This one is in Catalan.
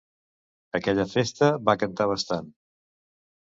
Aquella festa va cantar bastant.